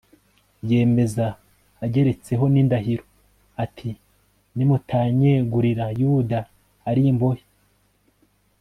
yemeza ageretseho n'indahiro, ati nimutanyegurira yuda ari imbohe